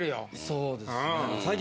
そうですね。